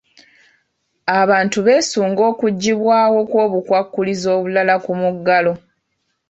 Abantu beesunga okuggyibwawo kw'obukwakkulizo obulala ku muggalo.